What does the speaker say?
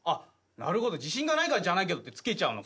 なるほど自信がないから「じゃないけど」って付けちゃうのか。